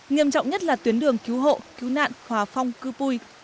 nghiêm trọng nhất là tuyến đường cứu hộ cứu nạn hòa phong cư pui